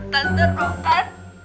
dan seru kan